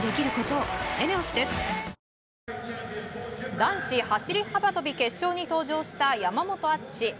男子走り幅跳び決勝に登場した山本篤。